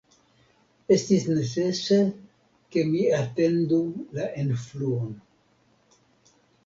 Estis necese, ke mi atendu la enfluon.